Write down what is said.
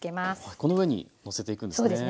この上にのせていくんですね。